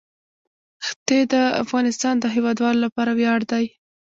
ښتې د افغانستان د هیوادوالو لپاره ویاړ دی.